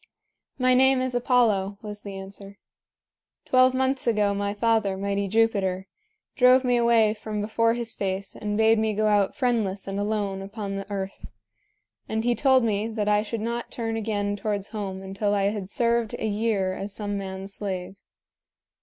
"My name is Apollo," was the answer. "Twelve months ago my father, mighty Jupiter, drove me away from before his face and bade me go out friendless and alone upon the earth; and he told me that I should not turn again towards home until I had served a year as some man's slave.